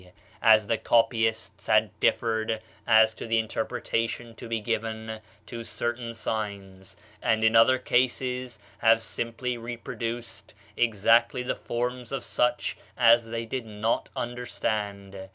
as the copyists have differed as to the interpretation to be given to certain signs, and in other cases have simply reproduced exactly the forms of such as they did not understand.